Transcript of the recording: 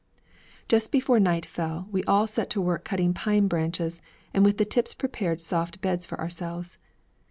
Just before night fell, we all set to work cutting pine branches, and with the tips prepared soft beds for ourselves.